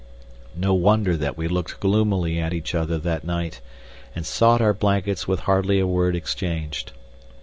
No wonder that we looked gloomily at each other that night, and sought our blankets with hardly a word exchanged.